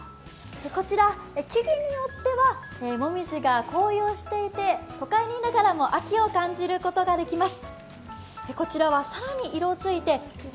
こちら木々によっては、もみじが紅葉していて、都会にいながらも秋を感じることができます。